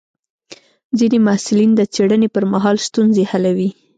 ځینې محصلین د څېړنې پر مهال ستونزې حلوي.